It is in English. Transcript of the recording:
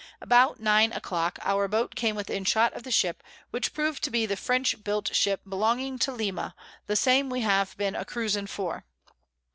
About nine a clock our Boat came within shot of the Ship, which prov'd to be the French built Ship belonging to Lima, the same we have been a cruising for.